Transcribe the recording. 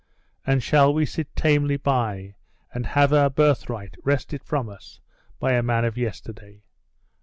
And shall we sit tamely by, and have our birthright wrested from us by a man of yesterday?